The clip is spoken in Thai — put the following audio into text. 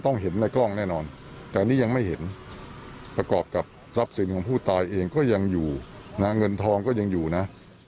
เงินทองก็ยังอยู่นะ